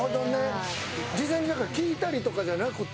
事前に聴いたりとかじゃなくて。